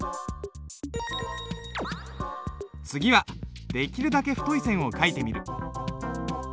次はできるだけ太い線を書いてみる。